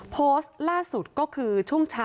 โพสต์ล่าสุดก็คือ